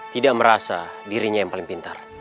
tidak merasa dirinya yang paling pintar